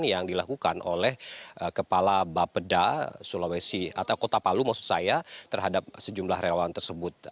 yang dilakukan oleh kepala bapeda sulawesi atau kota palu maksud saya terhadap sejumlah relawan tersebut